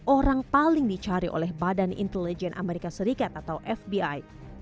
orang paling dicari oleh badan intelijen amerika serikat atau fbi